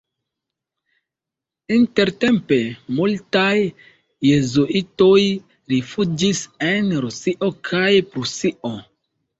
Intertempe multaj jezuitoj rifuĝis en Rusio kaj Prusio.